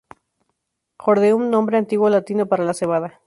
Hordeum: nombre antiguo latino para la cebada.